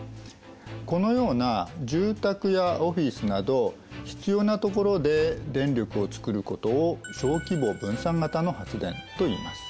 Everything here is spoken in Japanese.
このような住宅やオフィスなど必要なところで電力を作ることを「小規模分散型」の発電といいます。